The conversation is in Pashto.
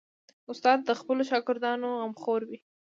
استاد د خپلو شاګردانو غمخور وي.